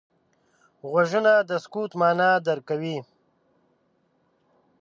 غوږونه د سکوت معنا درک کوي